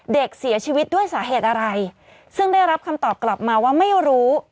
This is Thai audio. เด็กเสียชีวิตด้วยสาเหตุอะไรซึ่งได้รับคำตอบกลับมาว่าไม่รู้